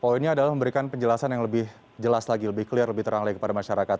poinnya adalah memberikan penjelasan yang lebih jelas lagi lebih clear lebih terang lagi kepada masyarakat